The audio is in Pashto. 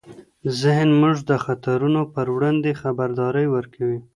ذهن موږ د خطرونو پر وړاندې خبرداری ورکوي.